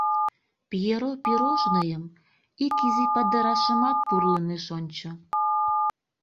Пьеро пирожныйым ик изи падырашымат пурлын ыш ончо.